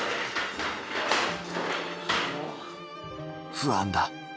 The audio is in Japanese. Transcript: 不安だ。